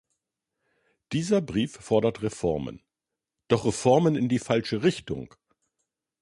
Dieser Brief fordert Reformen, doch Reformen in die falsche Richtung.